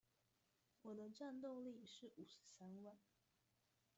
我的戰鬥力是五十三萬